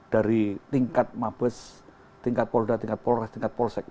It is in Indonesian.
dari tingkat mabes tingkat polda tingkat polres tingkat polsek